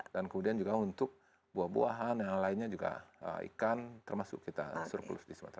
dan kemudian juga untuk buah buahan yang lainnya juga ikan termasuk kita surplus di sumatera